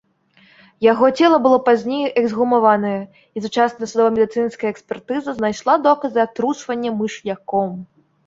Яго цела было пазней эксгумаванае, і сучасная судова-медыцынская экспертыза знайшла доказы атручвання мыш'яком.